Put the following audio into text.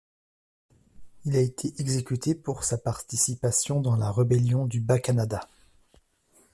Il a été exécuté pour sa participation dans la Rébellion du Bas-Canada.